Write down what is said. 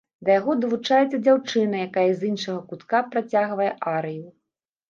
Да яго далучаецца дзяўчына, якая з іншага кутка працягвае арыю.